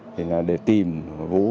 thì là để tìm vũ